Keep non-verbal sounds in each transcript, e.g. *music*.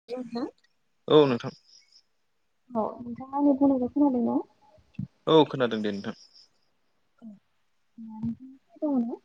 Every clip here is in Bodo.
*inaudible* नोंथां औ नोंथां औ नोंथाङा आंनि बुंनायखौ खोनादों ना? औ खोनादों दे नोंथां। *unintelligible*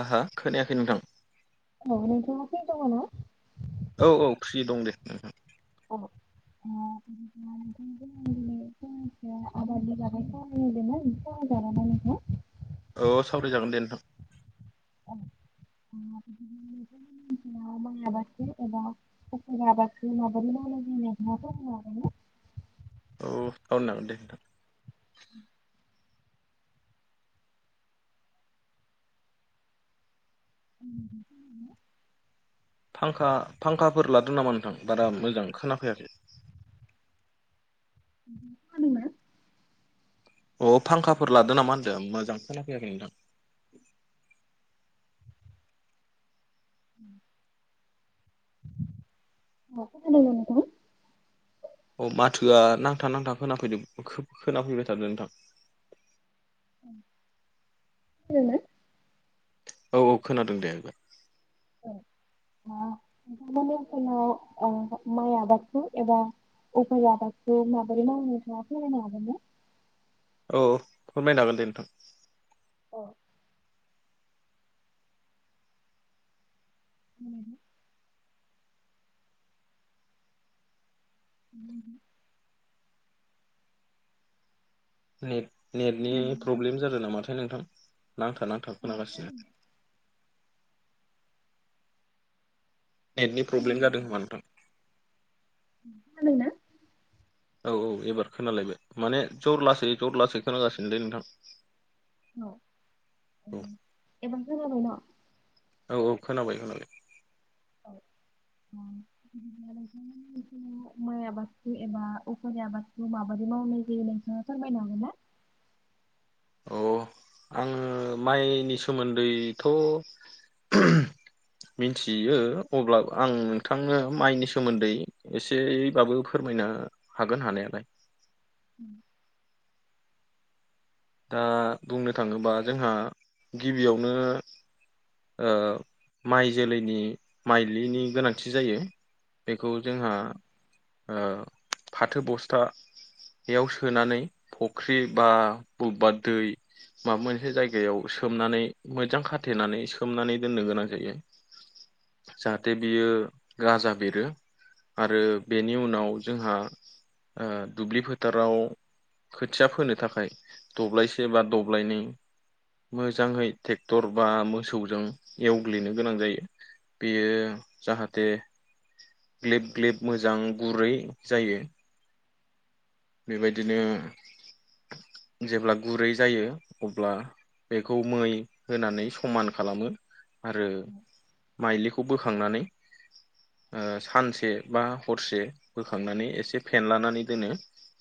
आ हा खोनायाखै नोंथां। औ नोथाङा फ्रि दङना? औ औ फ्रि दं दे। *unintelligible* *unintelligible* औ सावरायजागोन दे नोंथां। *unintelligible* *unintelligible* एबा माइ आबादथि एबा अक आबाद माबोरै माव जनाय *unintelligible* औ थावनो नामोन दे नोंथां *unintelligible* उम *unintelligible* उम *inaudible* फांखा फांखाफोर लादों नामा नोंथां बारा मोजां खोनाफैयाखै। *unintelligible* अ फांखाफोर लादो नामा होनदो मोजां खोना फैयाखै नोंथां। *unintelligible* अ खोनादों नोंथां? अ माथोआ नांथा नांथा खोनाफैदोब खोब खोनाफैबाय थादो नोंथां। खोनादों औ औ खोनादों दे एबार। *unintelligible* मायाबादखौ एबा अफोर जाबाख' माबारि मावनाय जायो‌ फोरामायनो हागोनना? औ अ फोरमायनो हागोन दे नोंथां। अ। उम उम नेट नेटनि खोनादों नोंथां? प्रब्लेम जादोनामाथाय नोंथां नांथा नांथा औ खोनादों खोनागासिनो। दे। नेटनि खोनादों प्रब्लेम जादों खोमा नोंथां। खोनादों ना औ औ एबार खोनालायबाय माने जर लासै जर लासै खोनागासिनोलै नोंथां। औ ओ औ एबार खोनाबायना। औ औ खोनाबाय खोनाबाय। औ उम। बिदि माइ आबादखौ एबा उफेरे आबादखौ माबायदि मावनाय जायो नोंथाङा फोरमायनो हागोनना। अ आङो माइनि सोमोन्दैथ' मिनथियो अब्ला आं नोंथांनो माइनि सोमोन्दै एसेयैबाबो फोरमायनो हागोन हानायालाय। उम। दा बुंनो थाङोबा जोंहा गिबियावनो ओ माइ जोलैनि माइलिनि गोनांथि जायो। बेखौ जोंहा ओ फाथो बस्थायाव सोनानै फुख्रि बा बब्बा दै माबा मोनसे जायगायाव सोमनानै मोजां खाथेनानै सोमनानै दोननो गोनां जायो। जाहाथे बेयो गाजा बेरो। आरो बेनि उनाव जोंहा ओ दुब्लि फोथाराव खोथिया फोनो थाखाय दब्लायसे एबा दब्लायनै मोजाङै ट्रेक्टर बा मोसौजों एवग्लिनो गोनां जायो। बेयो जाहाथे ग्लेब ग्लेब मोजां गुरै जायो। बेबायदिनो जेब्ला गुरै जायो अब्ला बेखौ मै होनानै समान खालामो आरो माइलिखौ बोखांनानै ओ सानसे बा हरसे बोखांनानै एसे फेनलानानै दोनो।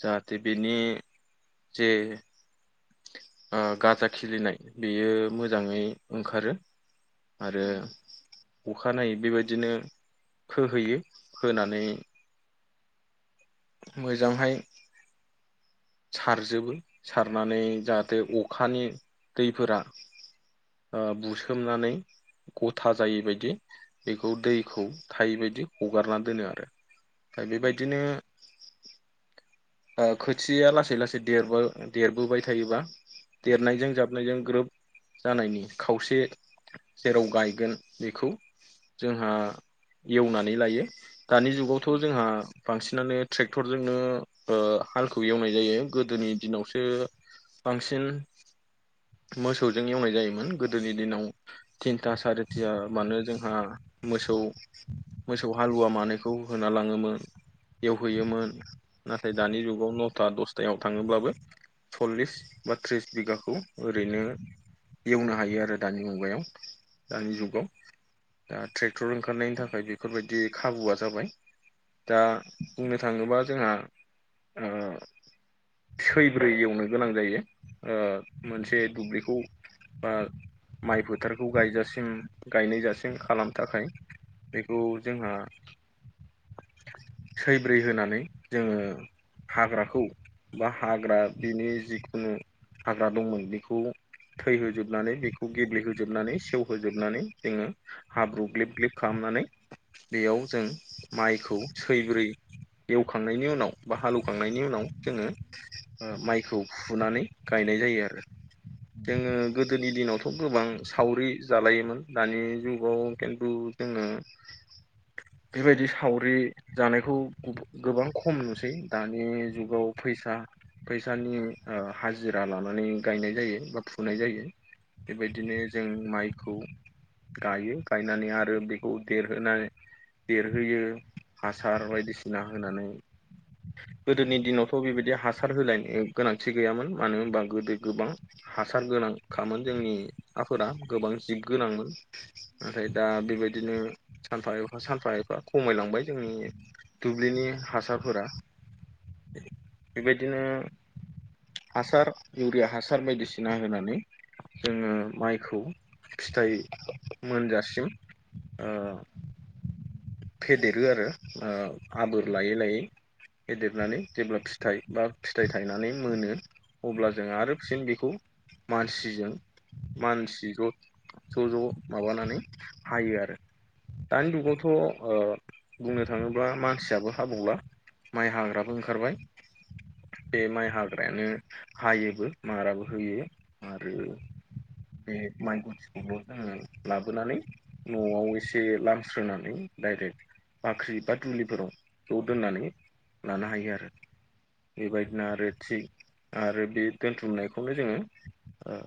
जाहाथे बिनि जे ओ गाजा खिलिनाय बेयो मोजाङै ओंखारो। आरो अखानायै बेबायदिनो फोहैयो फोनानै मोजांहाय सारजोबो सारनानै जाहाथे अखानि दैफोरा ओ बुसोमनानै गथा जायै बदि बेखौ दैखौ थायै बायदि हगारना दोनो आरो। दा बेबायदिनो ओ खोथिया लासै लासै देर देरबोबाय थायोबा देरनायजों जाब नायजों ग्रोब जानायनि खावसे जेराव गायगोन बेखौ जोंहा एवनानै लायो। दानि जुगावथ' जोंहा बांसिनानो ट्रेक्टरजोंनो ओ हालखौ एवनाय जायो गोदोनि दिनावसो बांसिन मोसौजों एवनाय जायोमोन गोदोनि दिनाव थिन्था सारिथा बानो जोंहा मोसौ मोसौ हालुवा मानैखौ होना लाङोमोन। फैयोमोन नाथाय दानि जुगाव नथा दसथायाव थाङोब्लाबो सल्लिस बा थ्रिस बिगाखौ ओरैनो एवनो हायो आरो दानि मुगायाव दानि जुगाव। दा ट्रेक्टर ओंखारनायनि थाखाय बेफोरबायदि खाबुआ जाबाय दा बुंनो थाङोबा जोंहा ओ सैब्रै एवनो गोनां जायो ओ मोनसे दुब्लिखौ बा माइ फोथारखौ गायजासिम गायनाय जासिम खालामनो थाखाय बेखौ जोंहा सैब्रै होनानै जोङो हाग्राखौ बा हाग्रा बिनि जिखुनु हाग्रा दंमोन बेखौ थैहोजोबनानै बेखौ गेब्लेहोजोबनानै सेवहोजोबनानै जोङो हाब्रु ग्लेब ग्लेब खालामनानै बेयाव जों माइखौ सैब्रै एवखांनायनि उनाव बा हालौवखांनायनि उनाव जोङो ओ माइखौ फुनानै गायनाय जायो आरो। जोङो गोदोनि दिनावथ' गोबां सावरि जालायोमोन दानि जुगाव खिन्थु जोङो *unintelligible* बेबायदि सावरि जानायखौ गुबु गोबां खम नुसै दानि जुगाव फैसा फैसानि ओ हाजिरा लानानै गायनाय जायो बा फुनाय जायो। बेबायदिनो जों मायखौ गाइयो गायनानै आरो बेखौ देरहोनानै देरहोयो हासार बायदिसिना होनानै गोदोनि दिनावथ' बेबायदि हासार होलायनो गोनांथि गैयामोन मानो होनबा गोदो गोबां हासार गोनांखामोन जोंनि हाफोरा गोबां जिब गोनांमोन। नाथाय दा बेबायदिनो सानफा एफा सानफा एफा खमायलांबाय जोंनि दुब्लिनि हासारफोरा। बेबायदिनो हासार इउरिया हासार बायदिसिना होनानै जोङो माइखौ फिथाइ मोनजासिम ओ फेदेरो आरो ओ आबोर लायै लायै। फेदेरनानै जेब्ला फिथाइ बा फिथाइ थायनानै मोनो अब्ला जों आरो फिन बेखौ मानसिजों मानसि ज' ज' ज' माबानानै हायो आरो दानि जुगावथ' थ' ओ बुंनो थाङोब्ला मानसियाबो हाबावला। माइ हाग्राबो ओंखारबाय। बे माइ हाग्रायानो हायोबो माराबो होयो आरो बे माइ गुथिखौबो जोङो लाबोनानै न'आव एसे लामस्रोनानै डाइरेक्ट बाख्रि बा दुलिफोराव ज' दोननानै लानो हायो आरो। बेबायदिनो आरो थिग आरो बे दोनथुमनायखौनो जोङो ओ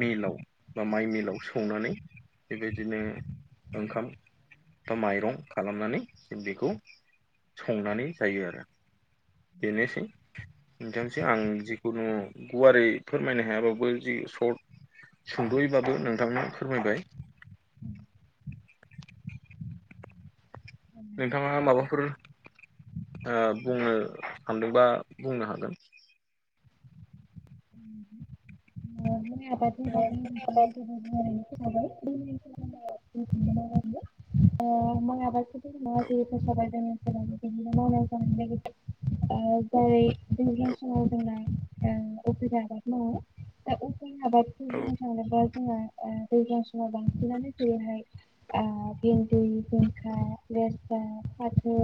मिलाव बा माइ मिलाव सौनानै बेबायदिनो ओंखाम बा माइरं खालामनानै बेखौ संनानै जायो आरो। बेनोसै। *unintelligible* आं जिखुनु गुवारै फोरमायनो हायाबाबो जि सर्ट सुंद'यैबाबो नोंथांनो फोरमायबाय। औ नोंथां। नोंथाङा माबाफोर ओ बुंनो सानदोंबा बुंनो हागोन। *inaudible* *inaudible* औ *inaudible* दैज्लां समाव जोंना ओ उफेरा आबाद मावो दा उफेरा आबाद बे औ बुंनो थांङोबा जोङा ओ दैज्लां समाव बांसिनानो जेरैहाय आ भिन्दि जिंखा लेस्रा फाथो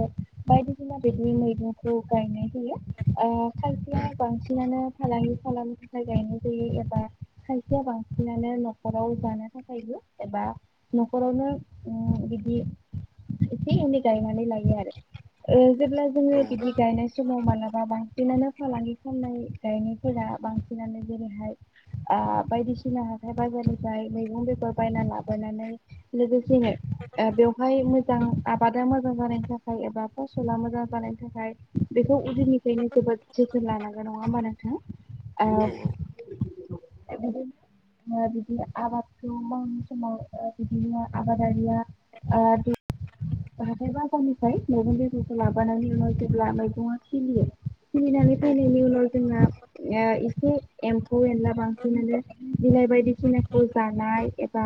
बायदिसिना बिदनि मैगंखौ गायनाय जायो आ खायसेया बांसिनानो फालांगि खालामनो थाखाय गायनाय जायो एबा खायसेया बांसिनानो नखराव जानो थाखायबो एबा नखरावनो उम बिदि एसे एनै गायनानै लायो आरो ओ जेब्ला जोङो उम बिदि गायनाय समाव मालाबा बांसिनानो फालांगि खालामनाय गायनायफोरा बांसिनानो जेरैहाय आ बायदिसिना हाथाइ बाजारनिफ्राय मैगं बेगर बायना लाबोनानै लोगोसेनो ओ बेवहाय मोजां आबादा मोजां जानायनि थाखाय खाय एबा फसला मोजां बानायनि थाखाय बेखौ उदैनि बेनो जोबोद जोथोन लानांगौ नङा होमबा नोंथां औ ओ बिदिनो ओ बिदिनो आबादखौ मावनो समाव ओ बिदिनो आबादारिया आ *unintelligible* हाथाय बाजारनिफ्राय मैगं बेगरखौ लाबोनानै उनाव जेब्ला मैगंआ खिलियो खिलिनानै औ फैनायनि उनाव जोंना ओ एसे एम्फौ एनला बांसिनानो बिलाइ बायदिसिनाखौ जानाय एबा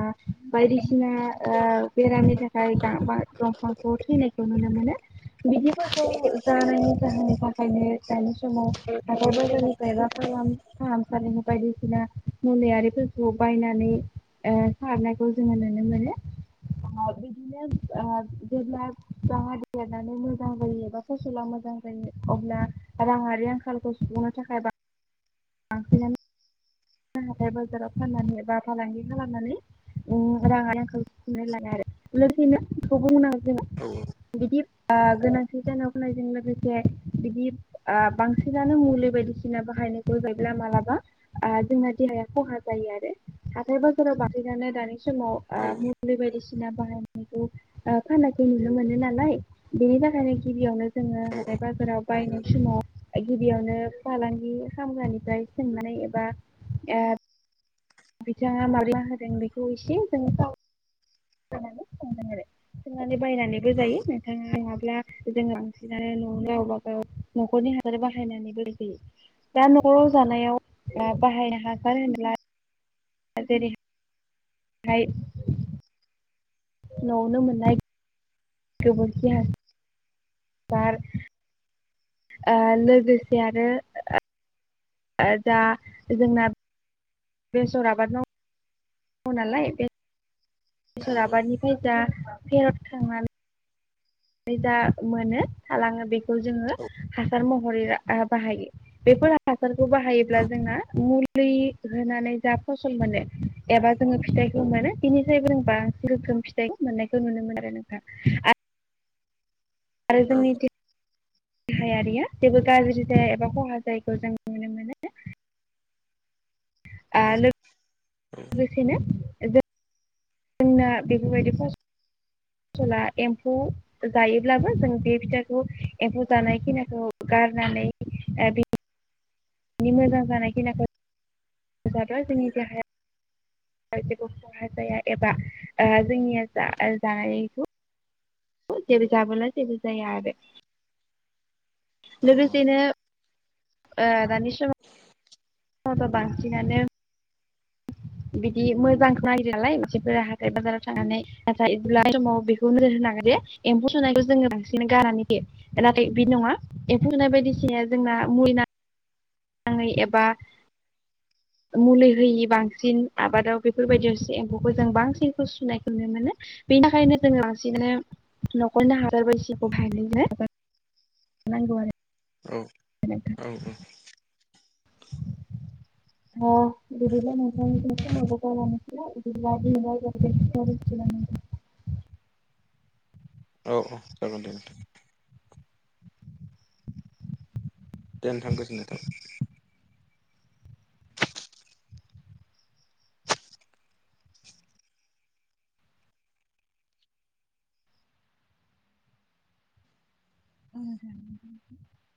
बायदिसिना ओ बेरामनि थाखाय ओमफ्राय दा दंफांखौ थैनायखौ नुनो मोनो बिदिफोरखौ जानायनि जाहोननि थाखायनो दानि समाव हाथाय बाजारनिफ्राइ ला फाहामसालिनि बायदिसिना मुलि आरिफोरखौ बायनानै ओ सारनायखौ जोङो नुनो मोनो ओ बिदिनो ओ जेब्ला बिफाङा देरनानै मोजां जायोबा फसला मोजां जायो अब्ला राङारि आंखालखौ सुफुंनो थाखाय बा लांफैनानै हाथाय बाजाराव फाननानै एबा फालांगि खालामनानै उम राङारि आंखालखो सुफुंनानै लानो हागोन लोगोसेनो बेखौ बुंनांगो जोङो औ औ बिदि गोनांथि जाना होनायजों लोगोसे बिदि ओ बांसिनानो मुलि बायदिसिना बाहायनायखौ मालाबा ओ जोंना देहाया खहा जायो आरो आरो हाथाय बाजाराव बथायनानै दानि औ समाव ओ बायदिसिना बाहायनायखौ फाननायख नुनो मोनो नालाय बेनि थाखायनो गिबियावनो जोङो हाथाइ बाजाराव बायनाय समाव गिबियावनो फालांगि खामग्रानिफ्राय सोंनानै एबा *unintelligible* बिथाङा माब्ला होदों बेखौ एसे जोङो साव नानै सो आरो सनानै बायनानैबो जायो नाङा नङाब्ला जों लांसिनानो न'आव गावबा गाव न'खरनि हासार बाहायनानै बोलोै होयो दा न'आव जानायाव ओ बाहायनो हासार होनब्ला *unintelligible* फ्राय न'आवनो मोननाय *unintelligible* बार ओ लोगोसे आरो ओ दा जोंना बेसर आबाद माव मावो नालाय बे बेसर औ आबादनिफ्राय जा फेरद खांनानै बे जा मोनो थालाङो बेखौ जोङो औ हासार महरै बाहायो। बेफोर हाफोरखौ बाहायोब्ला जोंना मु लि होनानै जा फसल मोनो एबा जोङो फिथाइखौ मोनो बिनिफ्रायबो जों बांसिन रोखोम फिथाइ मोननायखौ नुनो मोन आरो नोंथां आ आरो औ जोंनि देहायारिया जेबो गाज्रि जाया एबा खहा जायैखौ जों नुनो मोनो। ओ औ औ लोगोसेनो जोंना बेफोरबायदि फस फसला एम्फौ जायोब्लाबो जों बे फिथाखौ एम्फौ जानाय खिनिखौ गारनानै ओ बे मोजां जानायखिनाखौ जाब्ला जोंनि देहाया जेबो खहा जाया एबा ओ जोंनिया जा जानायखौ जेबो जाबोला जेबो जाया आरो लोगोसेनो ओ दानि समाव नङाबा बांसिनानो बिदि मोजांखौ नागिर नालाय बिसोरफोरा हाथाय बाजाराव थांनानै नथाय बिदिब्ला समाव बेखौ नोजोर होनोनांगोन जे एम्फौ सुनायखौ जोङो बांसिन गारनानै फैयो। नाथाय बिदि नङा एम्फौ सुनाय बायदिसिना जोंना मुलि नाङै एबा मुलि होयि बांसिन आबादाव बेफोरबायदियावसो एम्फौखौ जों बांसिनखौ सुनायखौ नुनो मोनो। बेनिखायनो जों लासिननानो *unintelligible* नांगौआरो औ *unintelligible* औ औ *unintelligible* औ औ जागोन दे नोंथां। दे नोंथां गोजोननाय थाबाय। *inaudible*